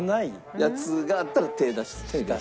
やつがあったら手出して。